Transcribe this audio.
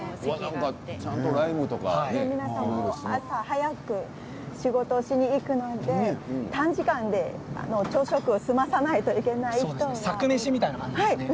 皆さんも朝、早く仕事をしにいくので短時間で朝食を済まさないといけないんですね。